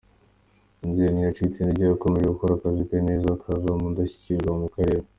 Uyu mubyeyi ntiyacitse intege yakomeje gukora akazi ke neza, akaza mu ndashyikirwa mu Karere.